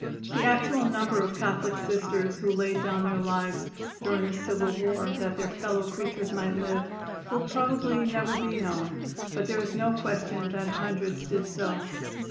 The actual number of Catholic Sisters who laid down their lives during the civil war, that their fellow creatures might live, will probably never be known, but there is no question that hundreds did so.